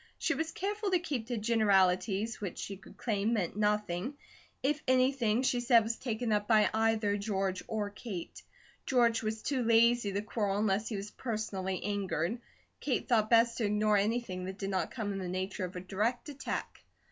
She was careful to keep to generalities which she could claim meant nothing, if anything she said was taken up by either George or Kate. George was too lazy to quarrel unless he was personally angered; Kate thought best to ignore anything that did not come in the nature of a direct attack.